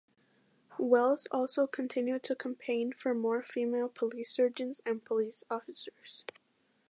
Wells also continued to campaign for more female police surgeons and police officers.